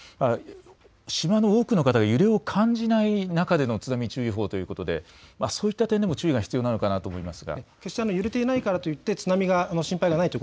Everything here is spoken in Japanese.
島の多くの方は揺れを感じない中での津波注意報ということでそういった点でも注意が必要なのかなと思います。